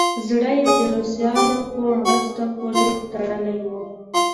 زړه یې د روسانو په مرستو پورې تړلی وو.